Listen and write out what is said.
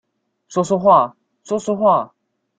說說話，說說話